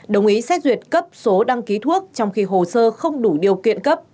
đồng ý xét duyệt cấp số đăng ký thuốc trong khi hồ sơ không đủ điều kiện cấp